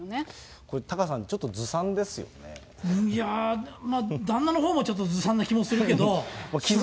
これタカさん、ちょっとずさいやー、旦那のほうもちょっとずさんな気もするけど。